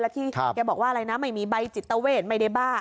ที่แกบอกว่าอะไรนะไม่มีใบจิตเวทไม่ได้บ้า